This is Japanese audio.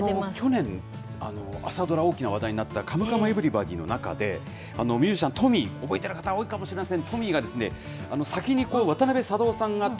去年、朝ドラ、大きな話題になったカムカムエヴリバディの中で、ミュージシャン、トミー、覚えている方いらっしゃるかもしれません。